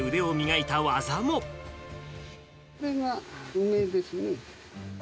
これが梅ですね。